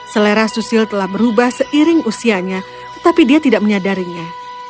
selera susil telah berubah seiring usianya tetapi dia tidak menyadarinya